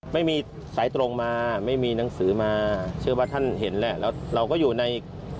ไม่มีสายตรงมาไม่มีหนังสือมาเชื่อว่าท่านเห็นแหละแล้วเราก็อยู่ใน